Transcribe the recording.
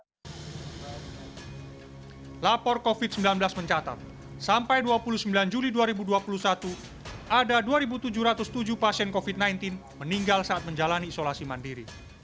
lapor covid sembilan belas mencatat sampai dua puluh sembilan juli dua ribu dua puluh satu ada dua tujuh ratus tujuh pasien covid sembilan belas meninggal saat menjalani isolasi mandiri